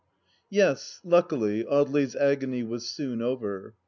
Yes, luckily, Audely's agony was soon over.